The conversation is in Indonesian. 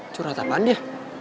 curhat apaan dia